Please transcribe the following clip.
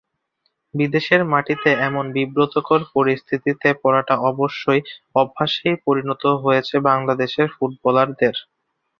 বিদেশের মাটিতে এমন বিব্রতকর পরিস্থিতিতে পড়াটা অবশ্য অভ্যাসেই পরিণত হয়েছে বাংলাদেশের ফুটবলারদের।